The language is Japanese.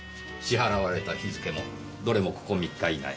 支払われた日付もどれもここ３日以内。